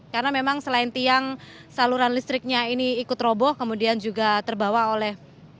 karena memang selain tiang saluran listriknya ini ikut roboh kemudian juga terbawa oleh